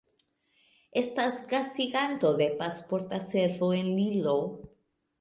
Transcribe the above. Estas gastiganto de Pasporta Servo en Lillo.